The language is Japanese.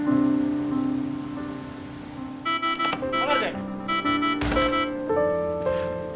離れて。